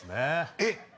えっ！